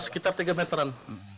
sekitar tiga meteran